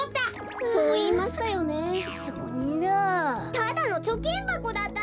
ただのちょきんばこだったなんて。